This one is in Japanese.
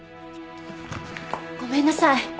ごめんなさい。